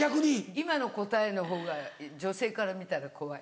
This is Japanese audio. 今の答えのほうが女性から見たら怖い。